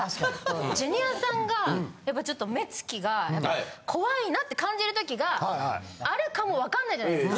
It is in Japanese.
ジュニアさんがやっぱちょっと。って感じる時があるかもわかんないじゃないですか。